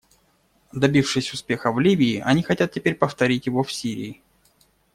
Добившись успеха в Ливии, они хотят теперь повторить его в Сирии.